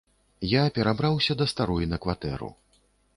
Я перабраўся да старой на кватэру.